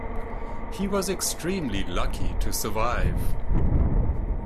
He was extremely lucky to survive.